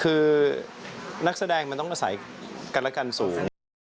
คือนักแสดงมันต้องอาศัยกันและกันสูง